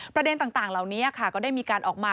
ประเด็นต่างเหล่านี้ค่ะก็ได้มีการออกมา